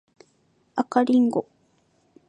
赤リンゴ